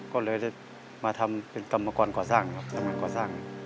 ก็เลยมาทำเป็นกรรมกรก่อสร้างครับ